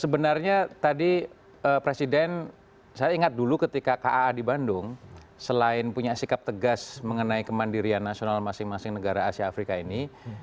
sebenarnya tadi presiden saya ingat dulu ketika kaa di bandung selain punya sikap tegas mengenai kemandirian nasional masing masing negara asia afrika ini